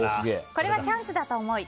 これはチャンスだと思い